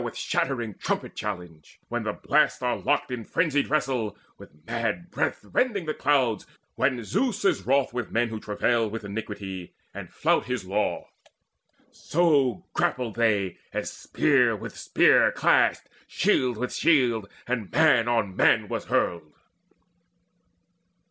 With shattering trumpet challenge, when the blasts Are locked in frenzied wrestle, with mad breath Rending the clouds, when Zeus is wroth with men Who travail with iniquity, and flout His law. So grappled they, as spear with spear Clashed, shield with shield, and man on man was hurled.